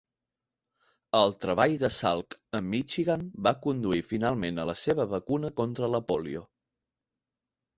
El treball de Salk a Michigan va conduir finalment a la seva vacuna contra la pòlio.